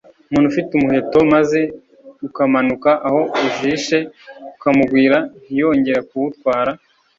Umuntu ufite umuheto, maze ukamanuka aho ujishe ukamugwira, ntiyongera kuwutwara